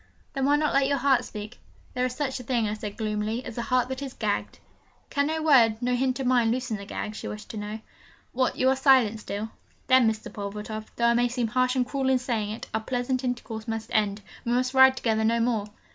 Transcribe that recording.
'Then why not let your heart speak?' 'There is such a thing,' I said gloomily, 'as a heart that is gagged.' 'Can no word, no hint of mine loosen the gag?' she wished to know. 'What, you are silent still? Then, Mr. Pulvertoft, though I may seem harsh and cruel in saying it, our pleasant intercourse must end we must ride together no more!'